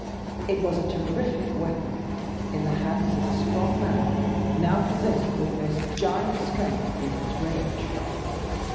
It was a terrific weapon in the hands of a strong man, now possessed of almost giant strength in his rage.